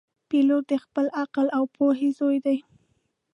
پیلوټ د خپل عقل او پوهې زوی دی.